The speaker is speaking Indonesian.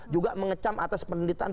juga mengecam atas pendidikan